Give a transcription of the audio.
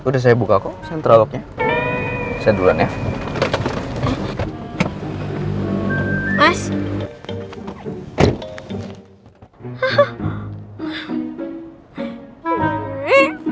noh buka pintunya noh